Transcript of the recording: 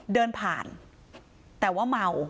เดินผ่านแต่ว่าเมา